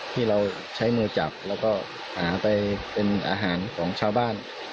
ที่เราใช้มือจับแล้วก็หาไปเป็นอาหารของชาวบ้าน